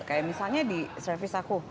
kayak misalnya di service aku